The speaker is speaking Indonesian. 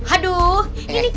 aduh ini kenapa sih jeng